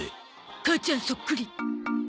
母ちゃんそっくり。